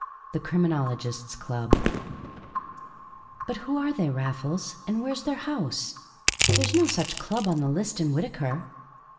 The Criminologists' Club "But who are they, Raffles, and where's their house? There's no such club on the list in Whitaker."